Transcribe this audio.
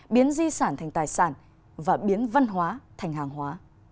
biến di sản thành tài sản và biến văn hóa thành hàng hóa